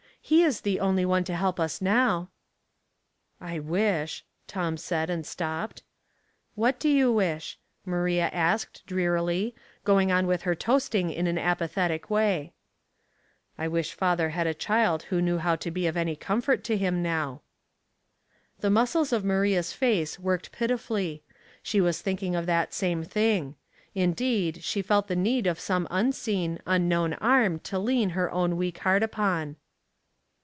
He is the only one to help us 92 Household Puzzles, " I wish," Tom said, and stopped. " What do you wish ?" Maria asked, drearily, going on with her toasting in an apathetic way. '• I wish father had a child who knew how to be of any comfort to him now." The muscles of Maria's face worked pitifully She was thinking of that same thing; indeed, she felt the need of some unseen, unknown Arm to lean her own weak heart upon.